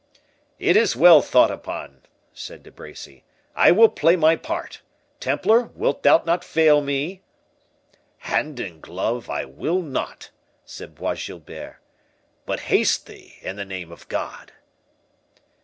"It is well thought upon," said De Bracy; "I will play my part—Templar, thou wilt not fail me?" "Hand and glove, I will not!" said Bois Guilbert. "But haste thee, in the name of God!"